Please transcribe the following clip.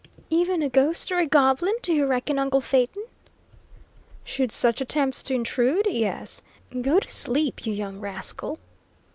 "Even a ghost, or a goblin, do you reckon, uncle Phaeton?" "Should such attempt to intrude, yes. Go to sleep, you young rascal!"